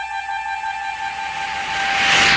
kau akan memiliki jalan yang baik